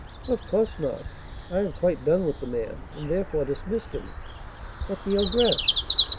"Of course not; I have quite done with the man, and therefore dismissed him." "But the ogress!"